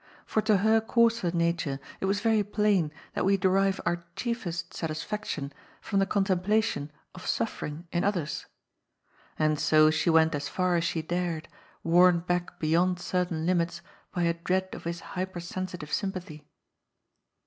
For to her coarser nature it was very plain that we derive our chief est satisfaction from the contemplation of sufFering in others. And so she went as far as she dared, warned back beyond certain limits by a dread of his hyper sensitive sym pathy.